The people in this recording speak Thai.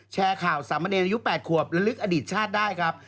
แชร์ข่าวสามเณรอายุ๘ขวบและลึกอดีตชาติได้ครับ